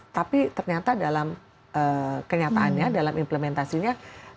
tapi ternyata dalam kenyataannya dalam implementasinya